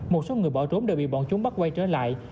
một số người bỏ trốn đều bị bọn chúng bắt quay trở lại